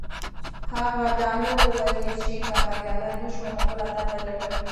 هغه دا نه وو ويلي چې که بريالی نه شو نو بله دنده لټوي.